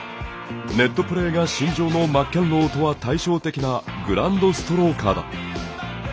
ネットプレーが身上のマッケンローとは対照的なグラウンドストローカーだ。